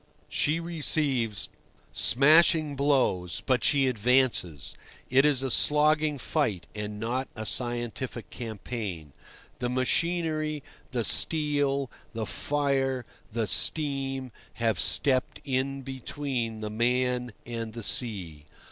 She receives smashing blows, but she advances; it is a slogging fight, and not a scientific campaign. The machinery, the steel, the fire, the steam, have stepped in between the man and the sea.